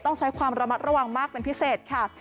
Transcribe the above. ต้องใช้ความระมัดระวังมากเป็นพิเศษค่ะ